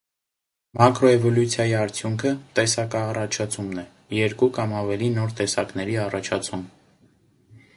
Մակրոէվոլյուցիայի արդյունքը՝ տեսակաառաջացումն է՝ երկու կամ ավելի նոր տեսակների առաջացում։